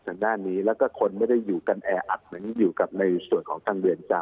ทางด้านนี้แล้วก็คนไม่ได้อยู่กันแออัดเหมือนอยู่กับในส่วนของทางเรือนจำ